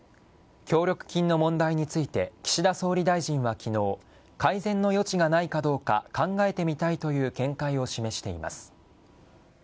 協力金の問題について、岸田総理大臣はきのう、改善の余地がないかどうか、考えてみたいという見解を示しています。